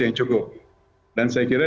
yang cukup dan saya kira